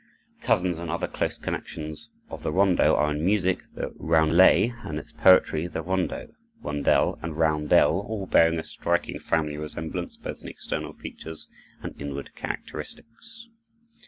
Cousins and other close connections of the rondo are in music the roundelay and in poetry the rondeau, rondel, and roundel, all bearing a striking family resemblance both in external features and inward characteristics.